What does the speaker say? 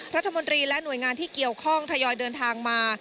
รัฐมนตรีและหน่วยงานที่เกี่ยวข้องทยอยเดินทางมา